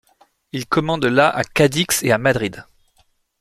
Il commande la à Cadix et à Madrid.